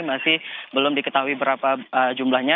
masih belum diketahui berapa jumlahnya